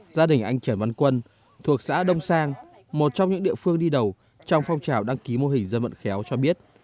gia đình anh trẻ văn quân thuộc xã đông sang một trong những địa phương đi đầu trong phong trào đăng ký mô hình dân vận khéo cho biết